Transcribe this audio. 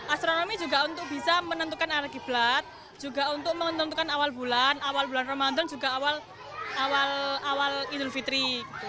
astronomi juga untuk bisa menentukan al qiblat juga untuk menentukan awal bulan awal bulan ramadan juga awal idul fitri